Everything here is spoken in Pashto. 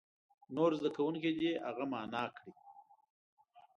نور زده کوونکي دې هغه معنا کړي.